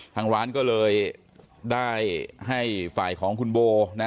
ทางร้านก็เลยได้ให้ฝ่ายของคุณโบ